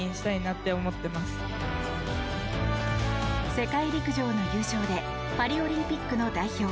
世界陸上の優勝でパリオリンピックの代表